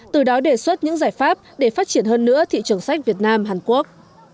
từ đó đề xuất những giải pháp để phát triển hơn nữa thị trường sách việt nam hàn quốc